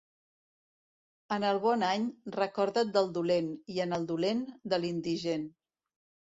En el bon any recorda't del dolent, i en el dolent, de l'indigent.